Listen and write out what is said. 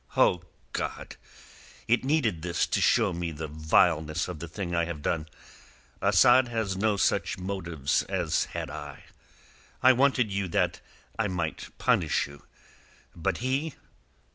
"O God! It needed this to show me the vileness of the thing I have done. Asad has no such motives as had I. I wanted you that I might punish you. But he...